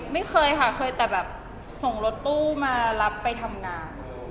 ไม่เคยค่ะเคยแต่แบบส่งรถตู้มารับไปทำงาน